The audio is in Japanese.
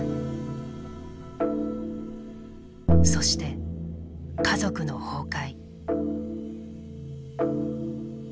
そして家族の崩壊。